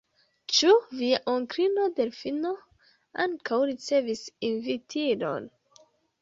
Ĉu via onklino Delfino ankaŭ ricevis invitilon?